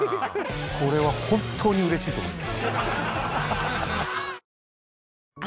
これは本当にうれしいと思った。